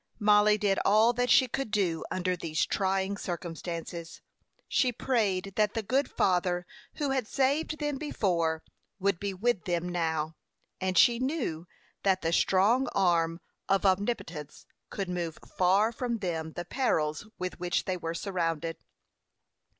Mollie did all that she could do under these trying circumstances; she prayed that the good Father who had saved them before, would be with them now; and she knew that the strong arm of Omnipotence could move far from them the perils with which they were surrounded.